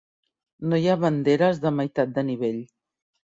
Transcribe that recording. No hi ha banderes de meitat de nivell.